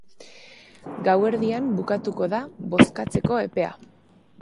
Gauerdian bukatuko da bozkatzeko epea.